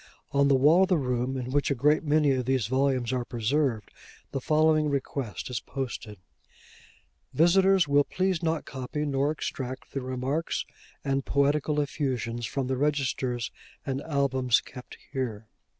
On the wall of the room in which a great many of these volumes are preserved, the following request is posted: 'Visitors will please not copy nor extract the remarks and poetical effusions from the registers and albums kept here.